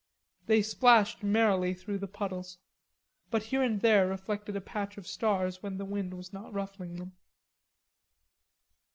They splashed merrily through the puddles. But here and there reflected a patch of stars when the wind was not ruffling them.